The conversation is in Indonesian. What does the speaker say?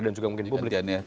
dan juga mungkin publik